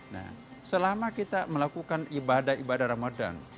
nah selama kita melakukan ibadah ibadah ramadan